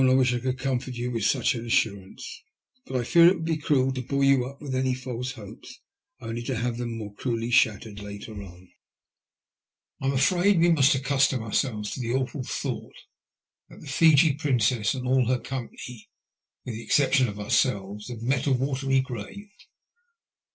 I wish I could comfort you with such an assurance ; but I fear it would be cruel to buoy you up with any false hopes, only to have them more cruelly shattered later on. I'm afraid we must accustom our selves to the awful thought that the Fiji Princess and all her company, with the exception of ourselves, have met a watery grave.